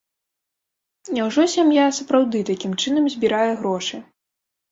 Няўжо сям'я сапраўды такім чынам збірае грошы?